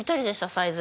サイズ